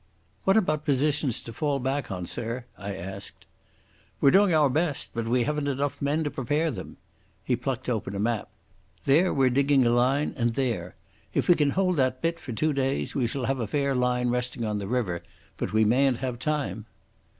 "What about positions to fall back on, sir?" I asked. "We're doing our best, but we haven't enough men to prepare them." He plucked open a map. "There we're digging a line—and there. If we can hold that bit for two days we shall have a fair line resting on the river. But we mayn't have time."